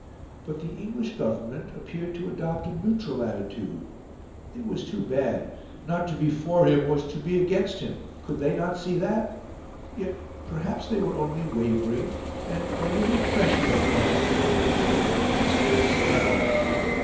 But the English Government appeared to adopt a neutral attitude; it was too bad; not to be for him was to be against him, could they not see that? Yet, perhaps, they were only wavering, and a little pressure upon them from Victoria might still save all.